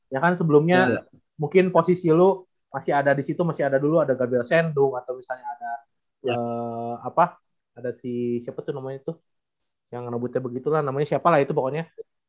ya kan sebelumnya mungkin posisi lu masih ada di situ masih ada dulu ada gabel sendung atau misalnya ada si siapa tuh namanya tuh yang ngebutnya begitu lah namanya siapa lah itu pokoknya